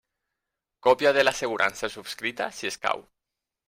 Còpia de l'assegurança subscrita, si escau.